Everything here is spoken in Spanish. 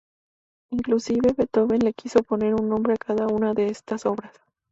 Inclusive Beethoven le quiso poner un nombre a cada una de estas obras.